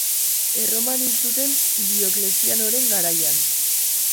Erroman hil zuten Dioklezianoren garaian.